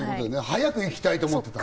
早く行きたいと思ってた。